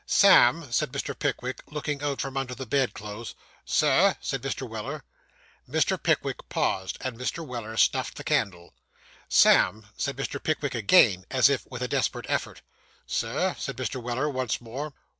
'Sam,' said Mr. Pickwick, looking out from under the bed clothes. 'Sir,' said Mr. Weller. Mr. Pickwick paused, and Mr. Weller snuffed the candle. 'Sam,' said Mr. Pickwick again, as if with a desperate effort. 'Sir,' said Mr. Weller, once more.